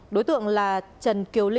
đối tượng là trần kiều lý